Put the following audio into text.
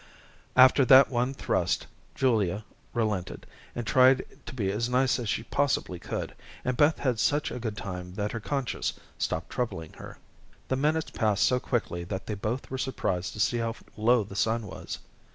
After that one thrust, Julia relented and tried to be as nice as she possibly could, and Beth had such a good time that her conscience stopped troubling her. The minutes passed so quickly that they both were surprised to see how low the sun was.